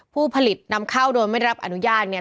ผู้ผลิตนำเข้าโดยไม่รับอนุญาตเนี่ย